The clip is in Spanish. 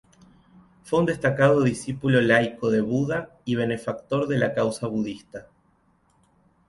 Fue un destacado discípulo laico de Buda, y benefactor de la causa budista.